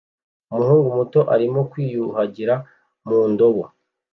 Umuhungu muto arimo kwiyuhagira mu ndobo